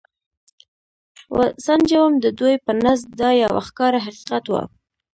و سنجوم، د دوی په نزد دا یو ښکاره حقیقت و.